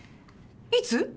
いつ！？